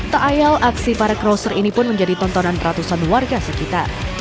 tak ayal aksi para crosser ini pun menjadi tontonan ratusan warga sekitar